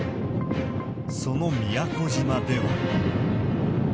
その宮古島では。